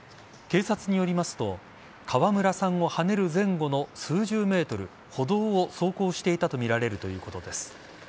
警察によりますと川村さんをはねる前後の数十ｍ歩道を走行していたとみられるということです。